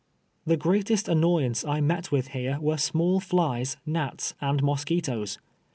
The greatest annoyance I met with here were small flies, gnats and mosquitoes.